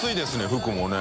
服もね。